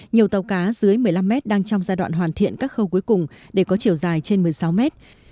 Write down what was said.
nhiều tàu cá dưới một mươi năm mét đang trong giai đoạn hoàn thiện các khâu cuối cùng để có chiều dài trên một mươi sáu mét